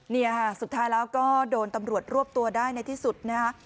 นี่ค่ะสุดท้ายแล้วก็โดนตำรวจรวบตัวได้ในที่สุดนะฮะ